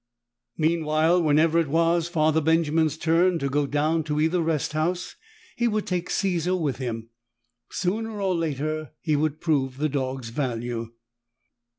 Meanwhile, whenever it was Father Benjamin's turn to go down to either rest house, he would take Caesar with him. Sooner or later, he would prove the dog's value.